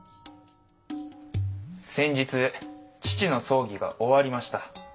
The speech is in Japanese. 先日父の葬儀が終わりました。